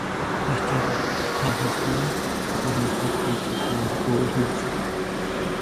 Afterward, her husband, Aquaman started to find the boy himself.